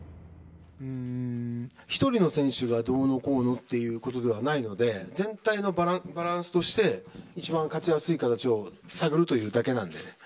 １人の選手がどうのこうのっていうことではないので、全体のバランスとして一番勝ちやすい形を探るというだけなんで。